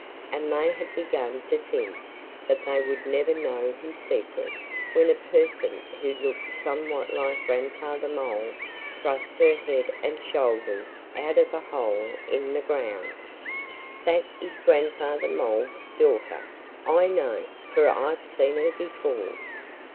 And they had begun to think that they would never know his secret when a person who looked somewhat like Grandfather Mole thrust her head and shoulders out of a hole in the ground. "That" Rusty Wren whispered "that is Grandfather Mole's daughter. I know, for I've seen her before."